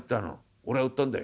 「俺が売ったんだい」。